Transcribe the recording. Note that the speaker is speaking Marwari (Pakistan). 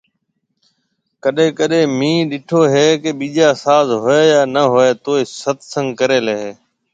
ڪڏي ڪڏي مينھ ڏيٺو ھيَََ ڪي ٻيجا ساز ھوئي يا ني ھوئي توئي ست سنگ ڪري لي ھيَََ